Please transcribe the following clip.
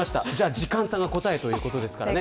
時間差が答えということですね。